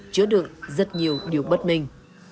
chứa được rất nhiều điều bất minh